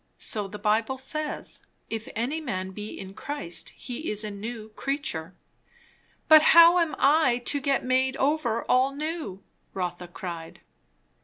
So the Bible says; 'If any man be in Christ, he is a new creature.'" "But how am I to get made over all new?" Rotha cried.